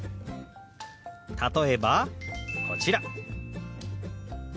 例えばこちら。